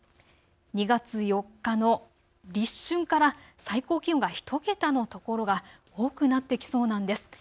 ２月４日の立春から最高気温が１桁の所が多くなってきそうなんです。